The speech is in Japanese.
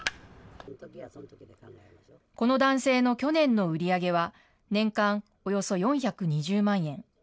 この男性の去年の売り上げは、年間およそ４２０万円。